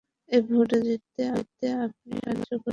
এই ভোট জিততে আপনি আমাদের সাহায্য করেন।